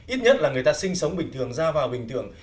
ít nhất là người ta sinh sống bình thường ra vào bình thường